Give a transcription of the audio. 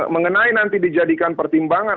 mengenai nanti dijadikan pertimbangan